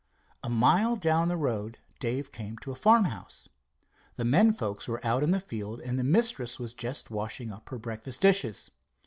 A mile down the road Dave came to a farmhouse. The men folks were out in the field and the mistress was just washing up her breakfast dishes.